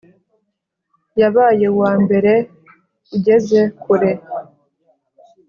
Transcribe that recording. Yabaye uwambere ugeze kure